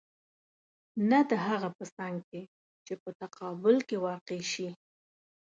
نه د هغه په څنګ کې چې په تقابل کې واقع شي.